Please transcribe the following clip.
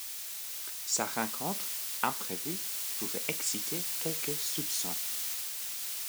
Sa rencontre imprévue pouvait exciter quelques soupçons.